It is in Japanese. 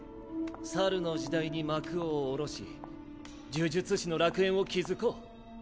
猿の時代に幕を下ろし呪術師の楽園を築こう。